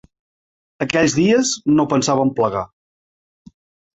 Aquells dies no pensava en plegar.